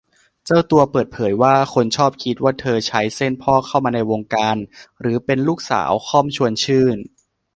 เจ้าตัวเปิดเผยว่า คนชอบคิดว่าเธอใช้เส้นพ่อเข้ามาในวงการ หรือเป็นลูกสาว ค่อม ชวนชื่น